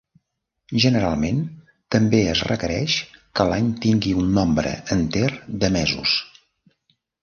Generalment, també es requereix que l'any tingui un nombre enter de mesos.